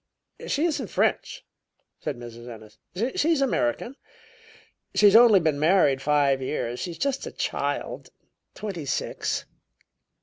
"She isn't French," said Mrs. Ennis; "she's American. And she's only been married five years. She's just a child twenty six."